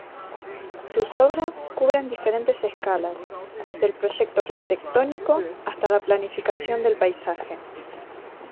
Sus obras, cubren diferentes escalas, desde el proyecto arquitectónico hasta la planificación del paisaje.